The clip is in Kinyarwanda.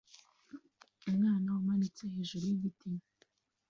Umwana umanitse hejuru yigiti